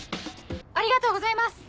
ありがとうございます！